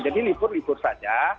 jadi libur libur saja